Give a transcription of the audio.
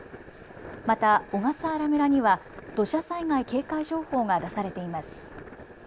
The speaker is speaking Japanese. また小笠原村には土砂災害警戒情報が出されています。